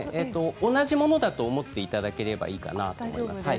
同じものだと思っていただければいいかなと思います。